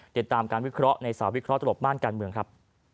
ติดตามการวิเคราะห์ในสาววิเคราะหลบม่านการเมืองครับ